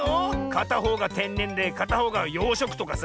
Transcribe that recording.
かたほうがてんねんでかたほうがようしょくとかさ。